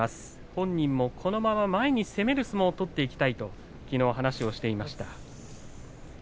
本人もこのまま前に攻める相撲を取っていきたいときのう、話をしていました。